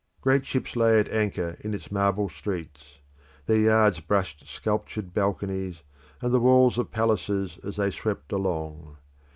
Great ships lay at anchor in its marble streets; their yards brushed sculptured balconies, and the walls of palaces as they swept along.